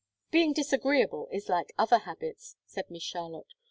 "Being disagreeable is like other habits," said Miss Charlotte.